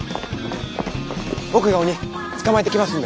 僕が鬼捕まえてきますんで！